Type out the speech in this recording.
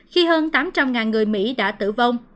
khi hơn tám trăm linh người mỹ đã tử vong